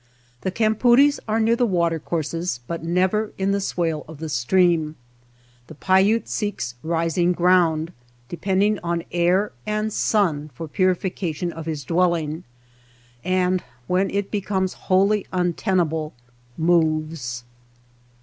The campoodies are near the watercourses, but never in the swale of the stream. The Paiute seeks rising ground, depending on air and sun for puri 153 THE MESA TRAIL fication of his dwelling, and when it be> comes wholly untenable, moves.